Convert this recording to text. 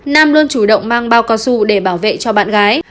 nam luôn chủ động mang bao cao su để bảo vệ cho bạn gái